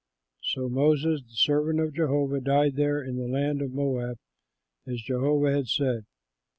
So Moses, the servant of Jehovah, died there in the land of Moab as Jehovah had said.